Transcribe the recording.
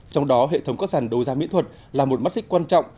trong đó hệ thống các sản đấu giá mỹ thuật là một mắt xích quan trọng